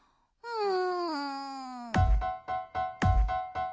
うん。